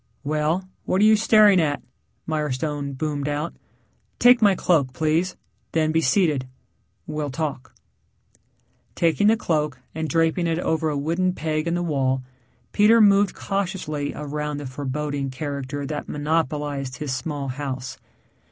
"Well, what are you staring at?" Mirestone boomed out. "Take my cloak, please, then be seated. We'll talk." Taking the cloak and draping it over a wooden peg in the wall, Peter moved cautiously around the foreboding character that monopolized his small house.